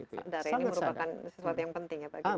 darah ini merupakan sesuatu yang penting ya bagi mereka